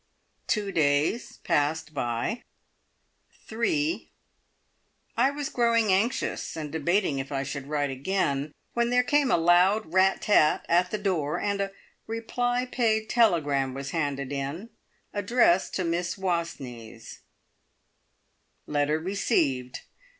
Two days passed by, three; I was growing anxious, and debating if I should write again, when there came a loud rat tat at the door, and a reply paid telegram was handed in, addressed to Miss Wastneys: "Letter received.